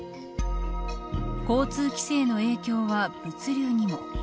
交通規制の影響は物流にも。